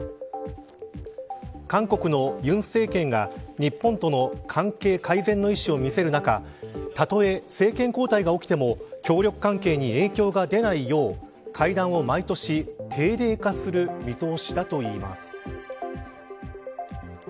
韓国の尹政権が日本との関係改善の意思を見せる中たとえ政権交代が起きても協力関係に影響が出ないよう会談を毎年定例化する見通しだといいます。